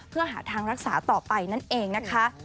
เพื่อหาทางรักษาต่อไปนั่นเองนะคะ